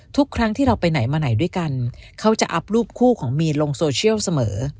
ทุกครั้งที่เราไปไหนมาไหนด้วยกันเขาจะอัพรูปคู่ของมีนลงโซเชียลเสมอ